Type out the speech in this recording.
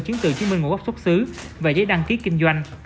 chiến từ chiến binh nguồn gốc xuất xứ và giấy đăng ký kinh doanh